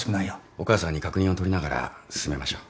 お母さんに確認をとりながら進めましょう。